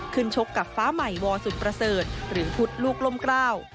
ชกกับฟ้าใหม่วสุดประเสริฐหรือพุทธลูกล่มกล้าว